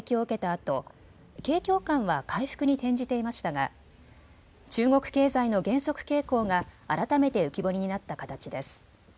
あと景況感は回復に転じていましたが中国経済の減速傾向が改めて浮き彫りになった形です。